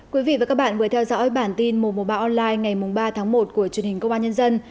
quý vị và các bạn vừa theo dõi bản tin mùa mùa ba online ngày mùng ba tháng một của truyền hình công an nhân dân